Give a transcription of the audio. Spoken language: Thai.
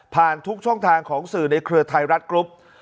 ทุกช่องทางของสื่อในเครือไทยรัฐกรุ๊ป